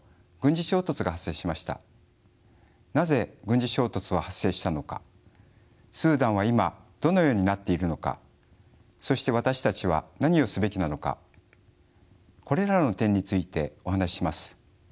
なぜ軍事衝突は発生したのかスーダンは今どのようになっているのかそして私たちは何をすべきなのかこれらの点についてお話しします。